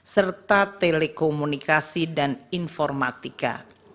serta telekomunikasi dan informatika